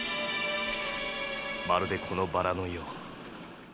まるでこのバラのよう。